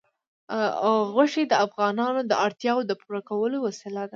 غوښې د افغانانو د اړتیاوو د پوره کولو وسیله ده.